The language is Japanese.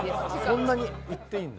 そんなにいっていいんだ？